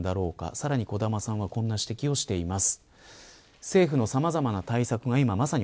さらに小玉さんはこんな指摘をしています。